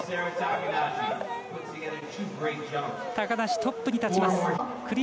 高梨、トップに立ちます。